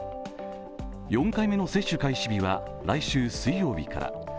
４回目の接種開始日は来週水曜日から。